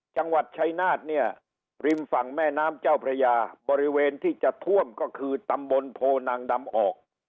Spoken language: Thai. จังหวัดชัยนาธเนี่ยริมฝั่งแม่น้ำเจ้าพระยาบริเวณที่จะท่วมก็คือตำบลโพนางดำออก